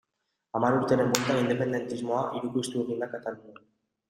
Hamar urteren bueltan, independentismoa hirukoiztu egin da Katalunian.